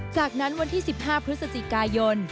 จากนั้นวันที่๑๕พฤศจิกายน